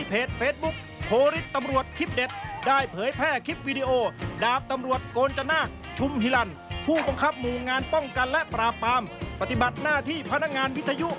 ผู้กำกับหมู่งานป้องกันและปราบปามปฏิบัติหน้าที่พนักงานวิทยุ